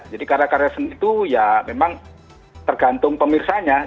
jadi karya karya seni itu ya memang tergantung pemirsa nya